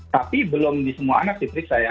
tapi belum di semua anak diperiksa ya